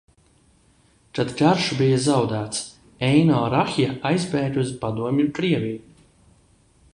Kad karš bija zaudēts, Eino Rahja aizbēga uz Padomju Krieviju.